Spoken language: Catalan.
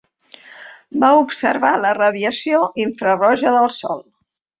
Va observar la radiació infraroja del Sol.